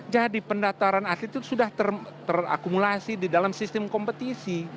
jadi pendataran atlet itu sudah terakumulasi di dalam sistem kompetisi